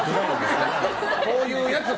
こういうやつ。